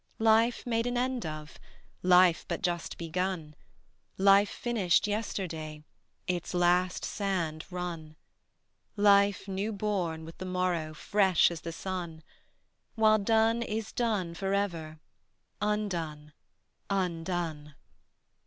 Life made an end of, Life but just begun; Life finished yesterday, Its last sand run; Life new born with the morrow Fresh as the sun: While done is done for ever; Undone, undone.